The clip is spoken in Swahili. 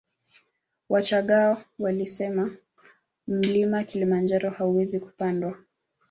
Wachagga walisema mlima kilimanjaro hauwezi kupandwa